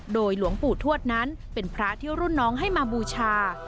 โดยหลวงปู่ทวดนั้นเป็นพระที่รุ่นน้องให้มาบูชา